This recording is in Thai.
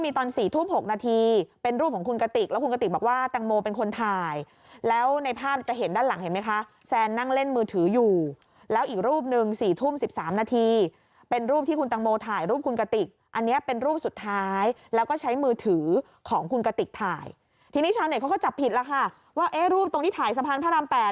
มีความรู้สึกว่ามีความรู้สึกว่ามีความรู้สึกว่ามีความรู้สึกว่ามีความรู้สึกว่ามีความรู้สึกว่ามีความรู้สึกว่ามีความรู้สึกว่ามีความรู้สึกว่ามีความรู้สึกว่ามีความรู้สึกว่ามีความรู้สึกว่ามีความรู้สึกว่ามีความรู้สึกว่ามีความรู้สึกว่ามีความรู้สึกว